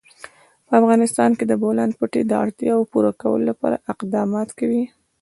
په افغانستان کې د د بولان پټي د اړتیاوو پوره کولو لپاره اقدامات کېږي.